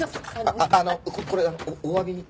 あのこれおわびに。